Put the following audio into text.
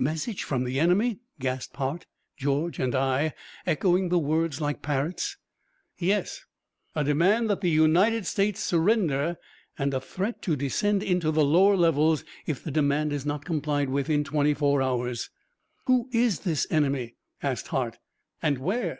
"Message from the enemy!" gasped Hart, George and I, echoing the words like parrots. "Yes. A demand that the United States surrender, and a threat to descend into the lower levels if the demand is not complied with in twenty four hours!" "Who is this enemy?" asked Hart, "and where?"